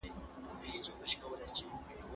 لوستې میندې د ماشومانو د لوبو وروسته لاسونه پاکوي.